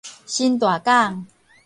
新大港